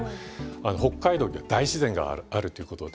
北海道には大自然があるということで。